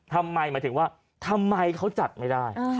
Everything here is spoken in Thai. หมายถึงว่าทำไมเขาจัดไม่ได้